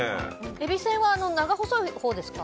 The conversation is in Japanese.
えびせんは長細いほうですか？